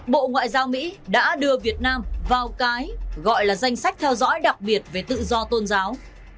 bộ ngoại giao mỹ đã đưa việt nam vào cái gọi là danh sách theo dõi đặc biệt về tự do tôn giáo